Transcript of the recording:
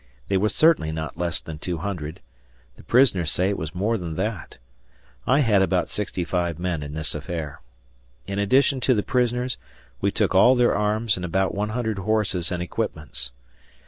There were certainly not less than 200; the prisoners say it was more than that. I had about 65 men in this affair. In addition to the prisoners, we took all their arms and about 100 horses and equipments.